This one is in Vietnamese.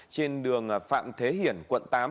trên đường phạm thế hiển quận tám